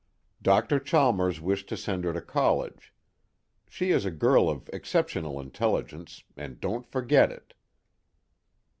Dr. Chalmers wished to send her to college. She is a girl of exceptional intelligence, and don't forget it."